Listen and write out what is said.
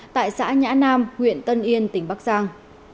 tại xã nhã nam huyện tân yên tỉnh bắc giang